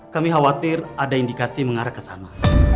kami khawatir ada indikasi mengarah ke sana